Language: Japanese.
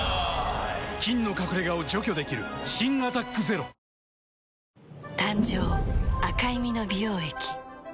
菌の隠れ家を除去できる新「アタックＺＥＲＯ」いつもビール